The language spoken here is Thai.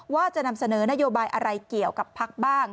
ว่าจะนำเสนอนโยบายอะไรเกี่ยวกับพักบ้าง